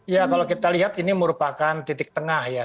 ya kalau kita lihat ini merupakan titik tengah ya